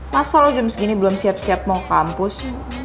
masa lo jam segini belum siap siap mau ke kampus